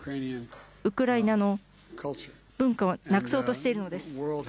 ウクライナの文化をなくそうとしているのです。